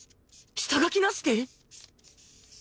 下書きなしで！？